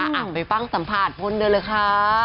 อ่ะไปฟังสัมภาษณ์พลเดินเลยค่ะ